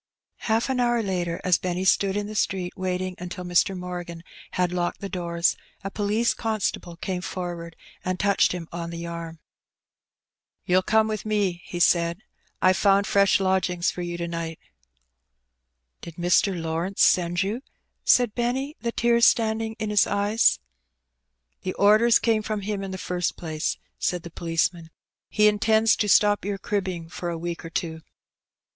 Half an hour later, as Benny stood in the street wsating until Mr. Morgan had locked the doors, a police constable came forward and touched him on the arm. A Teeeible Alteenative. 1G5 " You'll come with me !'^ he said. ^^ Fve found fresh lodgings for you to night/' ''Did Mr. Lawrence send you?'' said Benny, the tears standing in his eyes. " The orders came from him in the first place/' said the policeman 3 ''he intends to stop your cribbing for a week or two."